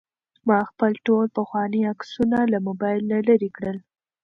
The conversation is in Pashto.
ما خپل ټول پخواني عکسونه له موبایل نه لرې کړل.